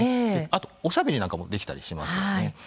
あと、おしゃべりなんかもできたりしますよね。